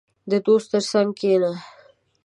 • د دوست تر څنګ کښېنه.